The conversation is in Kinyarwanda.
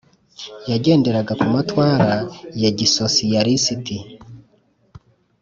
yagenderaga ku matwara ya gisosiyalisiti.